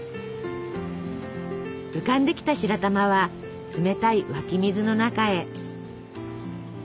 浮かんできた白玉は冷たい湧き水の中へ。